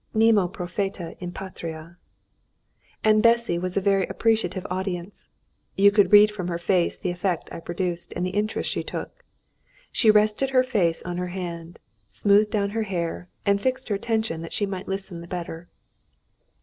Nemo profeta in patria. And Bessy was a very appreciative audience. You could read from her face the effect I produced and the interest she took. She rested her face on her hand, smoothed down her hair, and fixed her attention that she might listen the better.